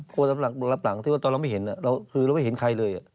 กลัวแต่รับหลังรับหลังคือว่าตอนเราไม่เห็นเราไม่เห็นใครเลย